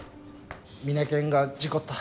ミネケンが事故った。